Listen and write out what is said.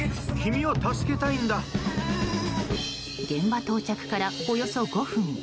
現場到着からおよそ５分。